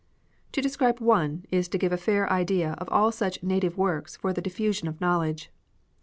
To describe one is to give a fair idea of all such native works for the diffusion of knowledge.